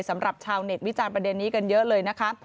สำหรับชาวเน็ตวิจารณ์ประเด็นนี้กันเยอะเลยนะคะ